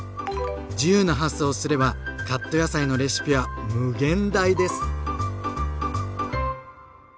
自由な発想をすればカット野菜のレシピは無限大です。